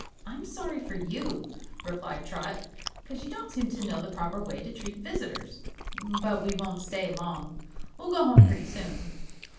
"I'm sorry for you," replied Trot, "'cause you don't seem to know the proper way to treat visitors. But we won't stay long. We'll go home, pretty soon."